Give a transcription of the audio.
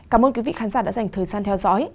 cảm ơn quý vị khán giả đã dành thời gian theo dõi